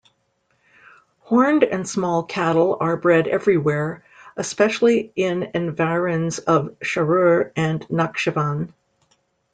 Horned and small cattle are bred everywhere, especially in environs of Sharur and Nakhchivan.